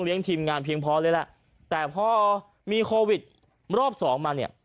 ทีมงานเพียงพอเลยแหละแต่พอมีโควิดรอบสองมาเนี่ย